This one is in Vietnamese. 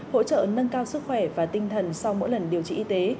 hỗ trợ nâng cao sức khỏe và tinh thần sau mỗi lần điều trị y tế